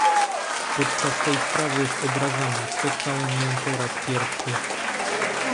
"Podczas tej sprawy z obrazami spotkałem ją po raz pierwszy."